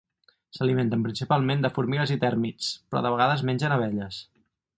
S'alimenten principalment de formigues i tèrmits, però de vegades mengen abelles.